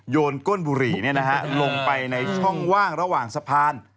นก้นบุหรี่ลงไปในช่องว่างระหว่างสะพาน